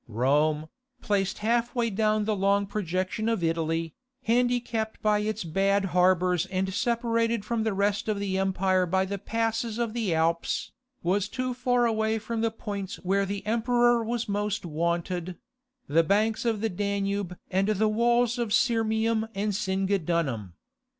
Rome, placed half way down the long projection of Italy, handicapped by its bad harbours and separated from the rest of the empire by the passes of the Alps, was too far away from the points where the emperor was most wanted—the banks of the Danube and the walls of Sirmium and Singidunum.